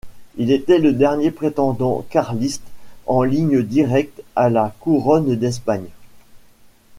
Il était le dernier prétendant carliste en ligne directe à la Couronne d’Espagne.